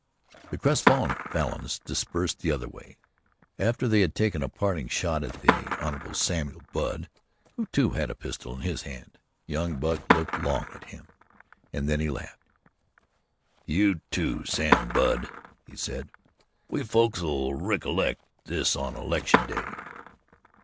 The crestfallen Falins dispersed the other way after they had taken a parting shot at the Hon. Samuel Budd, who, too, had a pistol in his hand. Young Buck looked long at him and then he laughed: "You, too, Sam Budd," he said. "We folks'll rickollect this on election day."